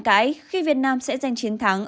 cái khi việt nam sẽ giành chiến thắng